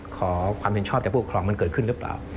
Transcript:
ขอความเห็นชอบจากผู้ปกครองมันเกิดขึ้นหรือเปล่า